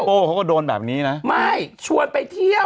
โอ้เขาก็โดนแบบนี้นะไม่ชวนไปเที่ยว